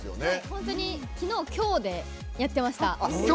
本当に昨日、今日でやってました。